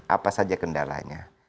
apa saja kendalanya